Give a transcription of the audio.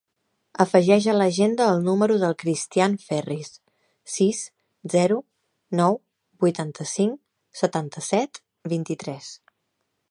Afegeix a l'agenda el número del Cristián Ferris: sis, zero, nou, vuitanta-cinc, setanta-set, vint-i-tres.